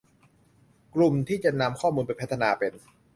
กลุ่มที่จะนำข้อมูลไปพัฒนาเป็น